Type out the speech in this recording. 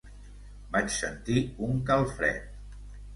Vaig sentir un calfred.